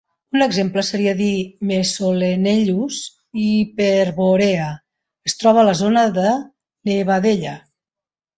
Un exemple seria dir que "Mesolenellus hyperborea" es troba a la zona de "Nevadella".